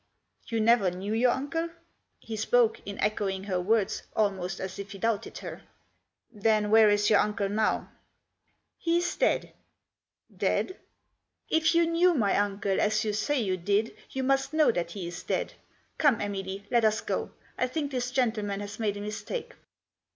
" You never knew your uncle ?" He spoke, in echoing her words, almost as if he doubted her. " Then where is your uncle now ?"" He is dead." "Dead?" " If you knew my uncle, as you say you did, you must know that he is dead. Come, Emily, let us go. I think this gentleman has made a mistake."